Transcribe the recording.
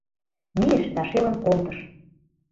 Мийыш да шелын колтыш.